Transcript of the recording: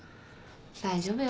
大丈夫よ。